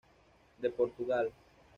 De Portugal.